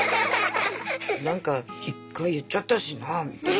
なんか１回言っちゃったしなみたいな。